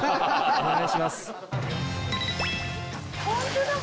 お願いします。